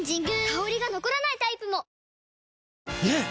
香りが残らないタイプも！ねえ‼